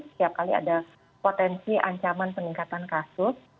setiap kali ada potensi ancaman peningkatan kasus